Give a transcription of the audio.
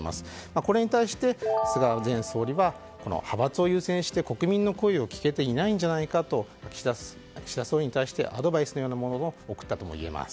これに対して菅前総理は派閥を優先して国民の声を聞けていないんじゃないかと岸田総理に対してアドバイスのようなものを送ったといえます。